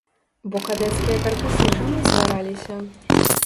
Бо кадэцкія карпусы чаму ствараліся?